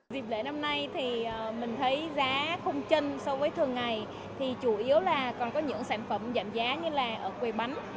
dịp lễ năm nay thì mình thấy giá không chân so với thường ngày thì chủ yếu là còn có những sản phẩm giảm giá như là ở quầy bánh